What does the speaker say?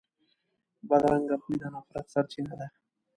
بدرنګه خوی د نفرت سرچینه ده